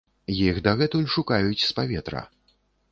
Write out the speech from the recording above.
Іх дагэтуль шукаюць з паветра.